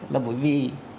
là bởi vì